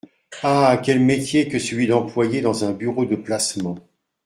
Ah ! quel métier que celui d’employé dans un bureau de placement !